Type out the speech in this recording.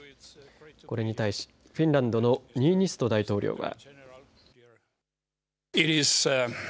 これに対し、フィンランドのニーニスト大統領は。